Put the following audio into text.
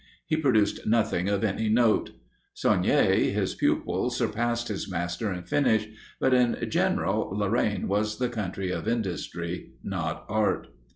He produced nothing of any note. Saunier, his pupil, surpassed his master in finish; but in general Lorraine was the country of industry, not art.